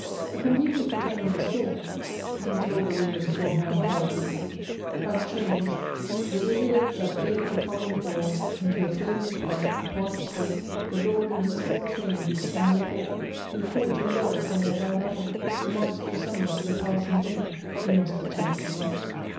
A convenient return of the storm, (we told the reader before hand how it would be), had changed "The rivulet, that bathed the convent walls, Into a foaming flood: upon its brink The Lord and his small train do stand appalled. With torch and bell from their high battlements The monks do summon to the pass in vain; He must return to night."